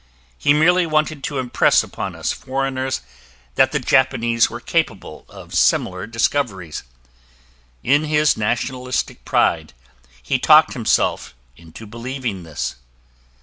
He merely wanted to impress upon us foreigners that the Japanese were capable of similar discoveries. In his nationalistic pride, he talked himself into believing this.